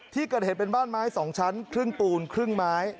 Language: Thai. ที่เกิดเหตุเป็นบ้านไม้๒ชั้นครึ่งปูนครึ่งไม้